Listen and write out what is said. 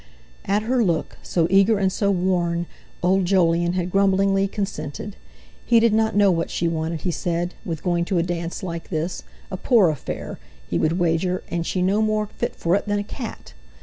At her look, so eager and so worn, old Jolyon had grumblingly consented. He did not know what she wanted, he said, with going to a dance like this, a poor affair, he would wager; and she no more fit for it than a cat!